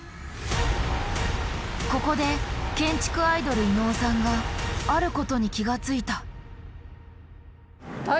ここで建築アイドル・伊野尾さんがあることに気が付いた。